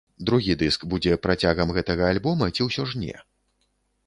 Другі дыск будзе працягам гэтага альбома ці ўсё ж не?